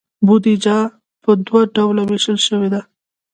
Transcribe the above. بودیجه په دوه ډوله ویشل شوې ده.